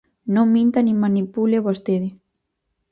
Non minta nin manipule vostede.